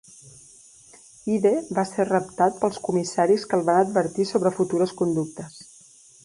Ide va ser reptat pels comissaris que el van advertir sobre futures conductes.